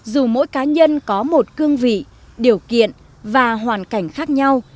dù mỗi cá nhân có một cương vị điều kiện và hoàn cảnh khác nhau